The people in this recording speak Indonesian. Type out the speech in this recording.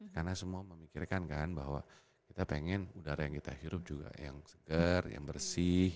karena semua memikirkan kan bahwa kita pengen udara yang kita hirup juga yang segar yang bersih